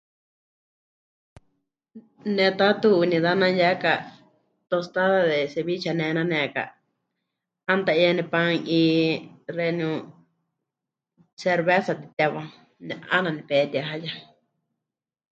Ne taatu Unidad ne'anuyaka, tostada de cebiche nenaneka, 'aana ta 'iyá nepanu'i xeeníu cerveza mɨtitewá, ne 'aana nepetihaya.